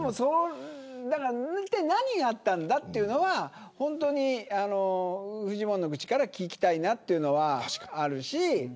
いったい何があったんだというのはフジモンの口から聞きたいなというのはあるし。